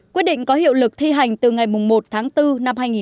quyết định có hiệu lực thi hành từ ngày một tháng bốn năm hai nghìn một mươi chín